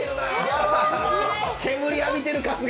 煙浴びてる、春日が！